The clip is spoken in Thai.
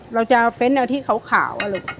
เราจะเฟ้นเอาที่ขาวลูก